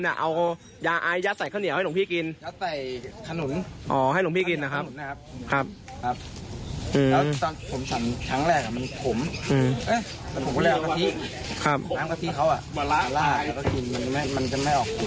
น้ำกะทิเขาราดไม่ได้มันจะไม่ไหลของผม